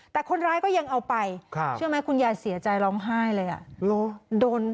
แต่คนร้ายก็ยังเอาไปคุณยาเสียใจร้องไห้เลย